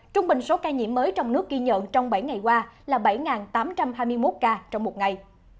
trung bình số ca nhiễm mới trong nước ghi nhận trong bảy ngày qua là bảy tám trăm hai mươi một ca trong một ngày